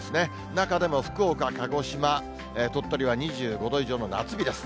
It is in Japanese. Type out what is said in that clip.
中でも福岡、鹿児島、鳥取は２５度以上の夏日です。